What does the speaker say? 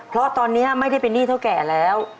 เพราะตอนนี้ไม่ได้เป็นหนี้เท่าแก่แล้ว